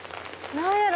何やろ？